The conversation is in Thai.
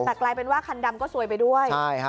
แต่กลายเป็นว่าคันดำก็ซวยไปด้วย